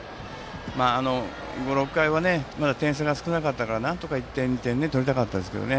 ５、６回はまだ点差が少なかったからなんとか１点、２点取りたかったですけどね。